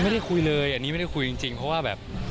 ไม่ได้คุยเลยอันนี้ไม่ได้คุยจริงเพราะว่าแบบ